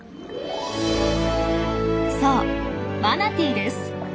そうマナティーです。